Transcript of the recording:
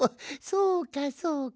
そうかそうか。